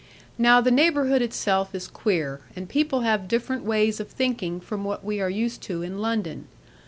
Now the neighbourhood itself is queer; and people have different ways of thinking from what we are used to in London.